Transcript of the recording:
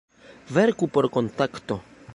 Verku por Kontakto!